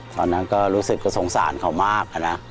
ตอนนั้นก็รู้สึกก็สงสารเขามากนะ